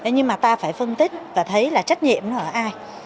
nhưng mà ta phải phân tích và thấy là trách nhiệm nó ở ai